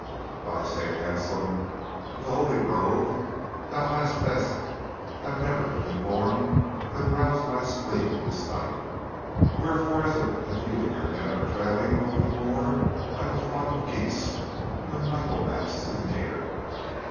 By St. Anselm of the Holy Grove, thou hadst best have never been born than rouse my spleen this night. Wherefore is it that you and your men are trailing over the moor like a flock of geese when Michaelmas is near?